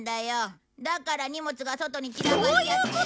だから荷物が外に散らばっちゃって。